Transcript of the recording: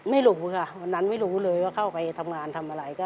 ไม่รู้ค่ะวันนั้นไม่รู้เลยว่าเข้าไปทำงานทำอะไร